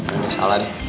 ini salah deh